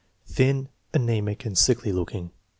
Thin, anaemic, and sickly looking.